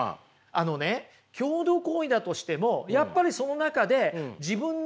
あのね共同行為だとしてもやっぱりその中で自分のね